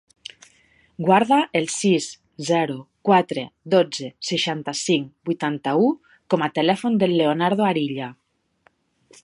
Guarda el sis, zero, quatre, dotze, seixanta-cinc, vuitanta-u com a telèfon del Leonardo Arilla.